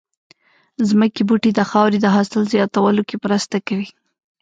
ځمکې بوټي د خاورې د حاصل زياتولو کې مرسته کوي